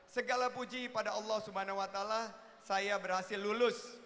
segala puji pada allah swt saya berhasil lulus